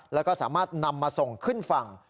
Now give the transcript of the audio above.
แล้วก็สามารถนำมาส่งขึ้นฝั่ง